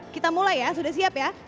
kita mulai ya sudah siap ya